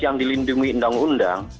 yang dilindungi undang undang